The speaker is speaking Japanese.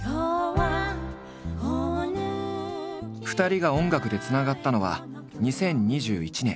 ２人が音楽でつながったのは２０２１年。